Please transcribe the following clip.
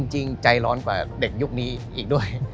จริงใจร้อนกว่าเด็กยุคนี้อีกด้วย